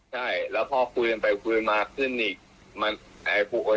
ใช่แล้วพอฟืนไปฟืนมาขึ้นอีกคนที่ฟูมอ่ะ